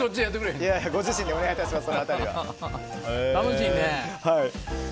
ご自身でお願いいたします。